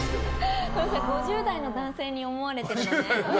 ５０代の男性に思われてるのね。